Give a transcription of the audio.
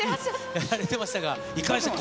やられてましたが、いかがでしたか。